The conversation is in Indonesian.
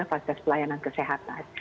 fase pelayanan kesehatan